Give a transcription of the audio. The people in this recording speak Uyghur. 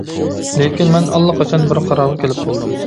-لېكىن مەن ئاللىقاچان بىر قارارغا كېلىپ بولدۇم.